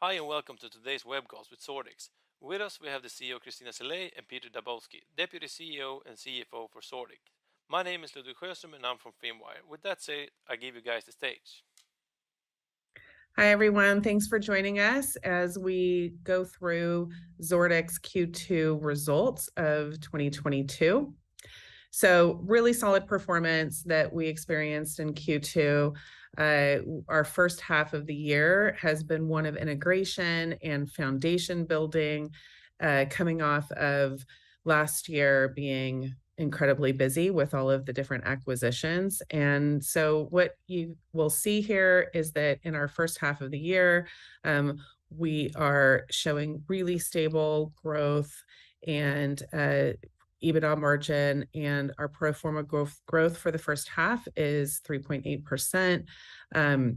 Hi, and welcome to today's web call with Zordix. with us we have the CEO Christina Seelye, and Peter Daboczi, Deputy CEO and CFO for Zordix. my name is Ludwig Sjöström, and I'm from Finwire. With that said, I give you guys the stage. Hi everyone. Thanks for joining us as we go through Zordix Q2 results of 2022. Really solid performance that we experienced in Q2. Our first half of the year has been one of integration and foundation building, coming off of last year being incredibly busy with all of the different acquisitions. What you will see here is that in our first half of the year, we are showing really stable growth and EBITDA margin, and our pro forma growth for the first half is 3.8%.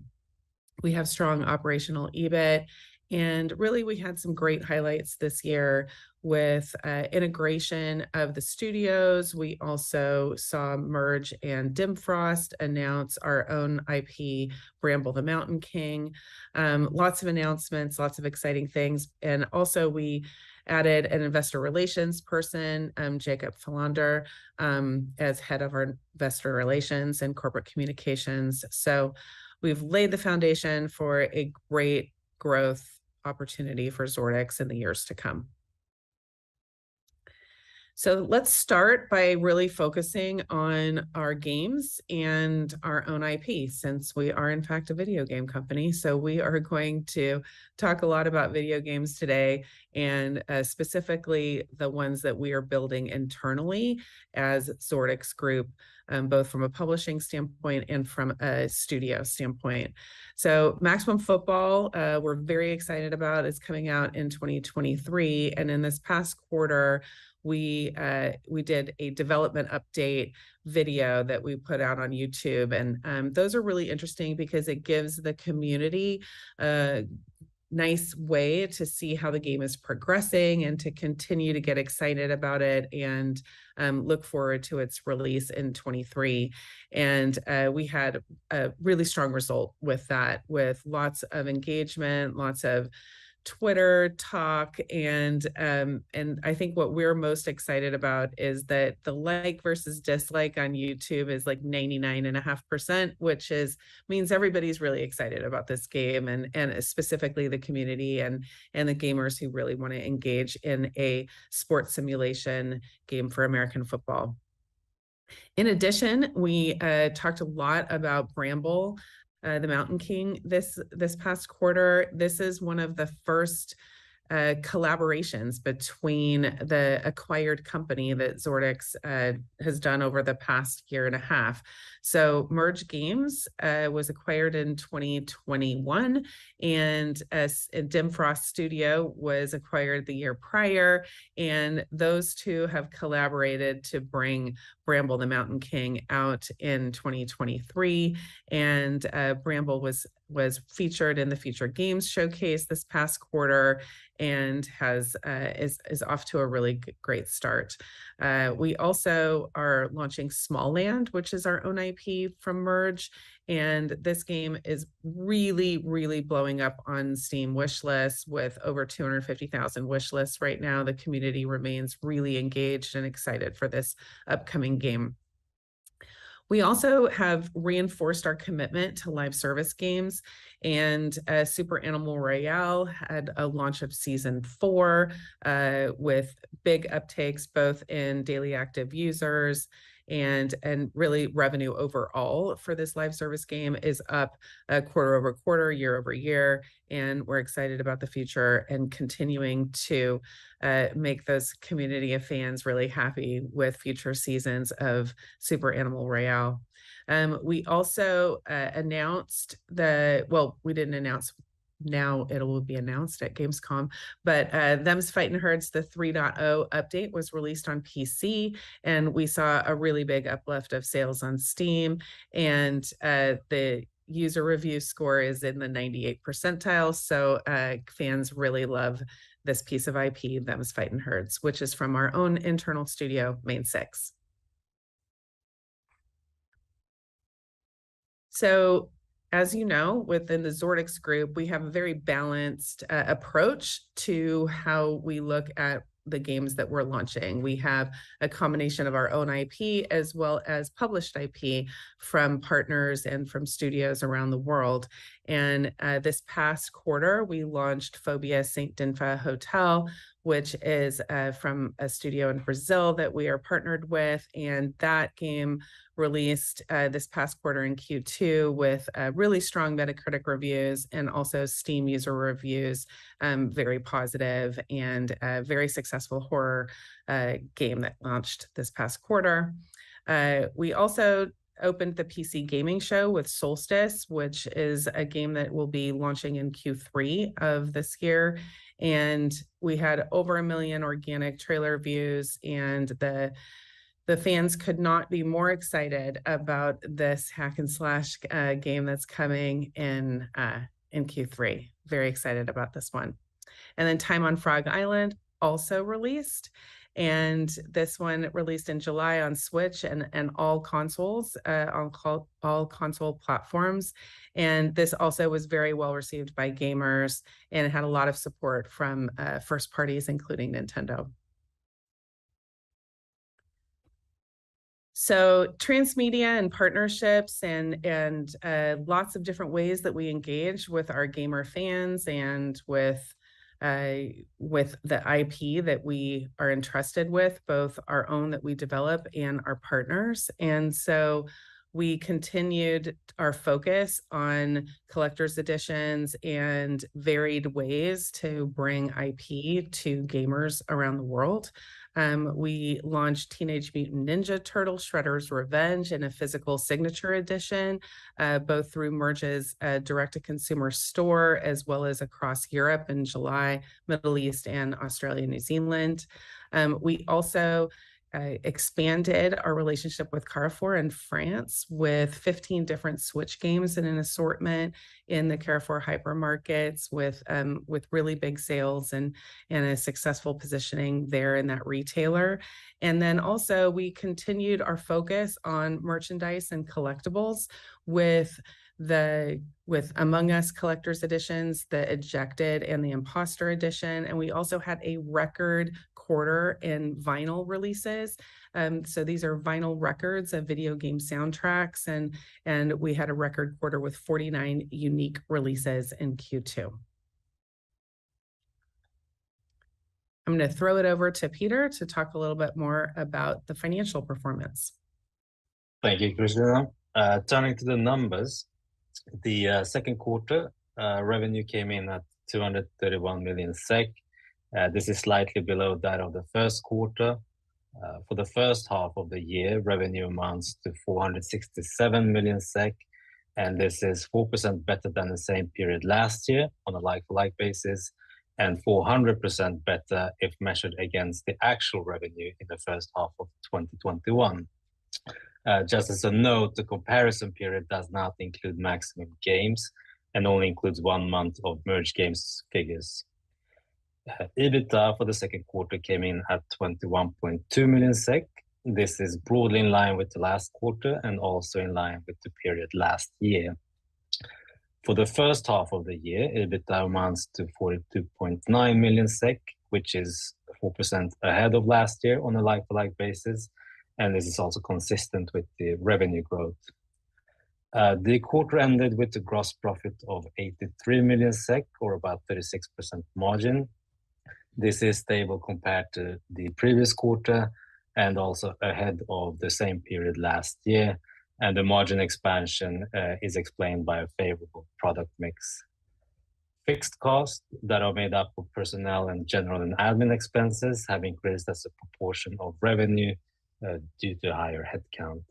We have strong operational EBIT, and really we had some great highlights this year with integration of the studios. We also saw Merge and Dimfrost announce our own IP, Bramble: The Mountain King. Lots of announcements, lots of exciting things. We added an investor relations person, Jacob Fahlander, as Head of Investor Relations and Corporate Communications. We've laid the foundation for a great growth opportunity for Zordix in the years to come. Let's start by really focusing on our games and our own IP, since we are in fact a video game company. We are going to talk a lot about video games today, and specifically the ones that we are building internally as Zordix Group, both from a publishing standpoint and from a studio standpoint. Maximum Football, we're very excited about, is coming out in 2023, and in this past quarter, we did a development update video that we put out on YouTube, and those are really interesting because it gives the community a nice way to see how the game is progressing, and to continue to get excited about it, and look forward to its release in 2023. We had a really strong result with that, with lots of engagement, lots of Twitter talk, and I think what we're most excited about is that the like versus dislike on YouTube is, like, 99.5%, which means everybody's really excited about this game and specifically the community, and the gamers who really wanna engage in a sports simulation game for American football. In addition, we talked a lot about Bramble: The Mountain King this past quarter. This is one of the first collaborations between the acquired company that Zordix has done over the past year and a half. Merge Games was acquired in 2021, and Dimfrost Studio was acquired the year prior, and those two have collaborated to bring Bramble: The Mountain King out in 2023. Bramble was featured in the featured games showcase this past quarter, and is off to a really great start. We also are launching Smalland, which is our own IP from Merge, and this game is really blowing up on Steam wishlists, with over 250,000 wishlists right now. The community remains really engaged and excited for this upcoming game. We also have reinforced our commitment to live service games, and Super Animal Royale had a launch of season 4 with big uptakes both in daily active users and really revenue overall for this live service game is up quarter-over-quarter, year-over-year, and we're excited about the future and continuing to make those community of fans really happy with future seasons of Super Animal Royale. We also didn't announce, now it'll be announced at Gamescom, but Them's Fightin' Herds, the 3.0 update was released on PC, and we saw a really big uplift of sales on Steam, and the user review score is in the 98th percentile, so fans really love this piece of IP, Them's Fightin' Herds, which is from our own internal studio, Mane6. As you know, within the Zordix Group, we have a very balanced approach to how we look at the games that we're launching. We have a combination of our own IP as well as published IP from partners and from studios around the world. This past quarter, we launched Fobia - St. Dinfna Hotel, which is from a studio in Brazil that we are partnered with. That game released this past quarter in Q2 with really strong Metacritic reviews and also Steam user reviews, very positive, and a very successful horror game that launched this past quarter. We also opened the PC Gaming Show with Soulstice, which is a game that will be launching in Q3 of this year, and we had over 1 million organic trailer views, and the fans could not be more excited about this hack and slash game that's coming in Q3. Very excited about this one. Time on Frog Island also released, and this one released in July on Switch and all consoles, on all console platforms. This also was very well received by gamers and had a lot of support from first parties, including Nintendo. Transmedia and partnerships and lots of different ways that we engage with our gamer fans and with the IP that we are entrusted with, both our own that we develop and our partners. We continued our focus on collector's editions and varied ways to bring IP to gamers around the world. We launched Teenage Mutant Ninja Turtles: Shredder's Revenge in a physical signature edition, both through Merge's direct-to-consumer store, as well as across Europe in July, Middle East and Australia, New Zealand. We also expanded our relationship with Carrefour in France with 15 different Switch games in an assortment in the Carrefour hypermarkets with really big sales and a successful positioning there in that retailer. We continued our focus on merchandise and collectibles with the Among Us collector's editions, the Ejected and the Imposter edition, and we also had a record quarter in vinyl releases. These are vinyl records of video game soundtracks and we had a record quarter with 49 unique releases in Q2. I'm going to throw it over to Peter to talk a little bit more about the financial performance. Thank you, Christina. Turning to the numbers, the Q2 revenue came in at 231 million SEK. This is slightly below that of the Q1. For the first half of the year, revenue amounts to 467 million SEK, and this is 4% better than the same period last year on a like-for-like basis, and 400% better if measured against the actual revenue in the first half of 2021. Just as a note, the comparison period does not include Maximum Games and only includes one month of Merge Games figures. EBITDA for the Q2 came in at 21.2 million SEK. This is broadly in line with the last quarter and also in line with the period last year. For the first half of the year, EBITDA amounts to 42.9 million SEK, which is 4% ahead of last year on a like-for-like basis, and this is also consistent with the revenue growth. The quarter ended with a gross profit of 83 million SEK or about 36% margin. This is stable compared to the previous quarter and also ahead of the same period last year, and the margin expansion is explained by a favorable product mix. Fixed costs that are made up of personnel and general and admin expenses have increased as a proportion of revenue due to higher headcount.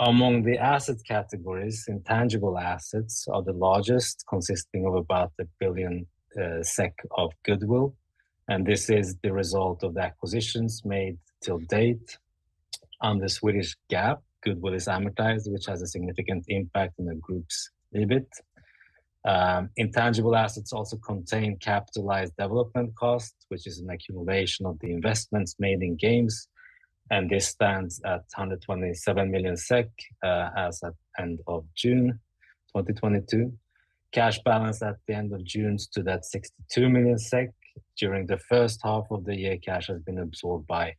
Among the asset categories, intangible assets are the largest, consisting of about a billion SEK of goodwill, and this is the result of the acquisitions made to date. On the Swedish GAAP, goodwill is amortized, which has a significant impact on the group's EBIT. Intangible assets also contain capitalized development costs, which is an accumulation of the investments made in games, and this stands at 127 million SEK as at end of June 2022. Cash balance at the end of June stood at 62 million SEK. During the first half of the year, cash has been absorbed by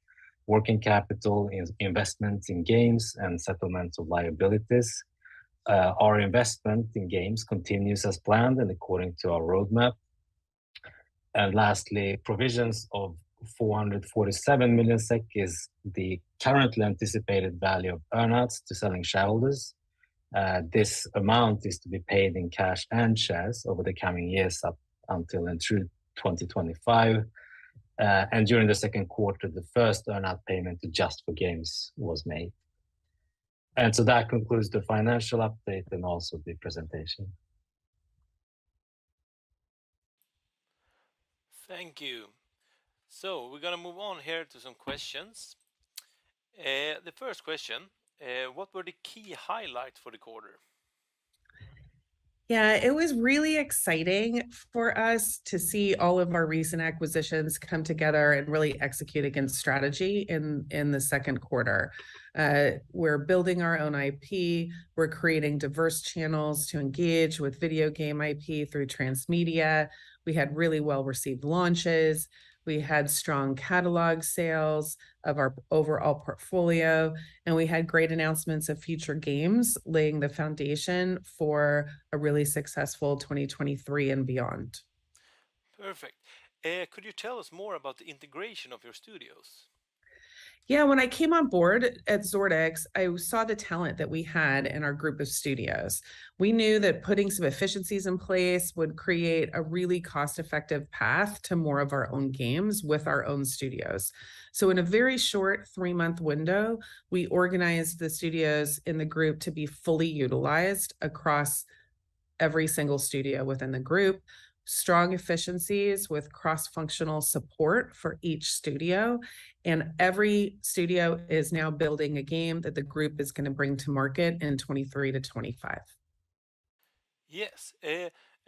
working capital in investments in games and settlements of liabilities. Our investment in games continues as planned and according to our roadmap. Lastly, provisions of 447 million SEK is the currently anticipated value of earn-outs to selling shareholders. This amount is to be paid in cash and shares over the coming years up until and through 2025. During the Q2, the first earn-out payment to Just for Games was made. That concludes the financial update and also the presentation. Thank you. We're going to move on here to some questions. The first question, what were the key highlights for the quarter? Yeah. It was really exciting for us to see all of our recent acquisitions come together and really execute against strategy in the Q2. We're building our own IP. We're creating diverse channels to engage with video game IP through transmedia. We had really well-received launches. We had strong catalog sales of our overall portfolio, and we had great announcements of future games, laying the foundation for a really successful 2023 and beyond. Perfect. Could you tell us more about the integration of your studios? Yeah. When I came on board at Zordix, I saw the talent that we had in our group of studios. We knew that putting some efficiencies in place would create a really cost-effective path to more of our own games with our own studios. In a very short three-month window, we organized the studios in the group to be fully utilized across every single studio within the group. Strong efficiencies with cross-functional support for each studio and every studio is now building a game that the group is going to bring to market in 2023-2025. Yes.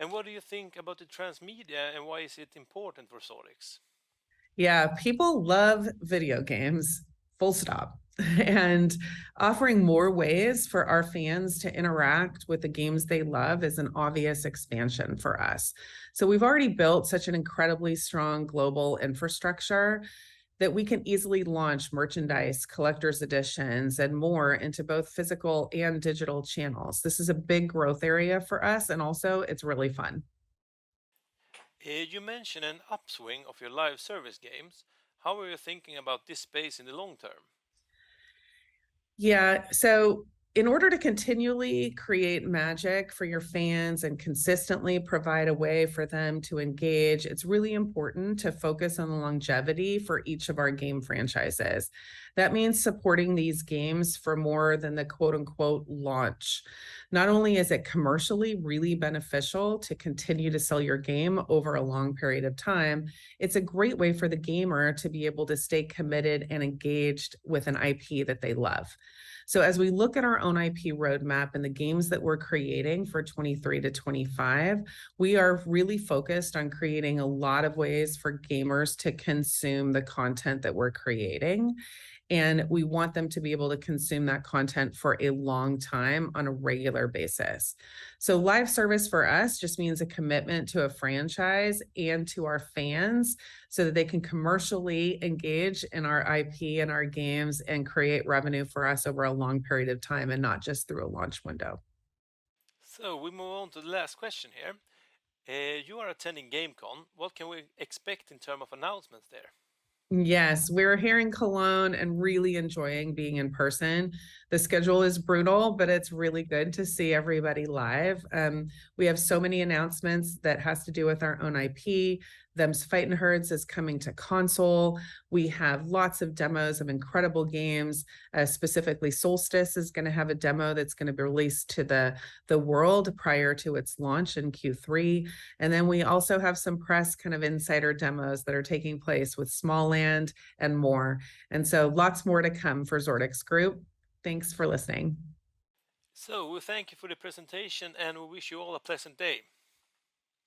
What do you think about the transmedia and why is it important for Zordix? Yeah, people love video games, full stop. Offering more ways for our fans to interact with the games they love is an obvious expansion for us. We've already built such an incredibly strong global infrastructure that we can easily launch merchandise, collector's editions, and more into both physical and digital channels. This is a big growth area for us, and also it's really fun. You mention an upswing of your live service games. How are you thinking about this space in the long term? In order to continually create magic for your fans and consistently provide a way for them to engage, it's really important to focus on the longevity for each of our game franchises. That means supporting these games for more than the, quote unquote, launch. Not only is it commercially really beneficial to continue to sell your game over a long period of time, it's a great way for the gamer to be able to stay committed and engaged with an IP that they love. As we look at our own IP roadmap and the games that we're creating for 2023 to 2025, we are really focused on creating a lot of ways for gamers to consume the content that we're creating, and we want them to be able to consume that content for a long time on a regular basis. Live service for us just means a commitment to a franchise and to our fans so that they can commercially engage in our IP and our games and create revenue for us over a long period of time, and not just through a launch window. We move on to the last question here. You are attending Gamescom. What can we expect in terms of announcements there? Yes. We are here in Cologne and really enjoying being in person. The schedule is brutal, but it's really good to see everybody live. We have so many announcements that has to do with our own IP, Them's Fightin' Herds is coming to console. We have lots of demos of incredible games, specifically Soulstice is going to have a demo that's going to be released to the world prior to its launch in Q3, and then we also have some press kind of insider demos that are taking place with Smalland and more. Lots more to come for Zordix Group. Thanks for listening. We thank you for the presentation, and we wish you all a pleasant day.